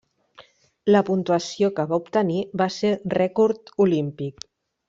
La puntuació que va obtenir va ser rècord olímpic.